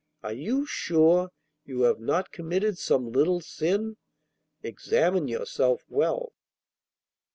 Are you sure you have not committed some little sin? Examine yourself well.